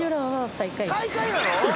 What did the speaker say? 最下位なの？